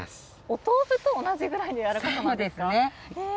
お豆腐と同じくらいのやわらかさなんですね。